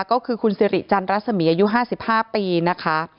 ก็คือคุณสิริจันรัศมีอายุ๕๕ปีนะคะ